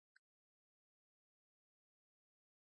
izua tjinaljek?